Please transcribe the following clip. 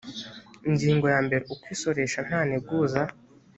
ingingo ya mbere uko isoresha nta nteguza